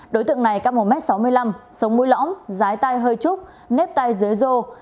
đối tượng này cắt một m sáu mươi năm sống mũi lõng rái tay hơi trúc nếp tay dế dô